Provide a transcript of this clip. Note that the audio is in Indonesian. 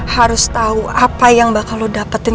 harus tahu apa yang bakal lo dapetin